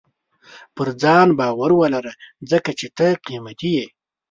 • پر ځان باور ولره، ځکه چې ته قیمتي یې.